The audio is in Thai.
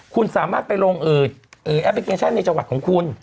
คุณสามารถไปลงแอปพลิเคชันในจังหวัดของคุณ